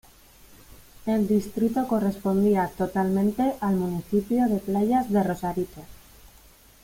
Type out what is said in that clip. El distrito correspondía totalmente al municipio de Playas de Rosarito.